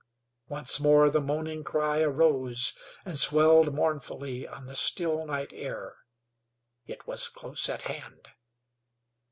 Once more the moaning cry arose and swelled mournfully on the still night air. It was close at hand!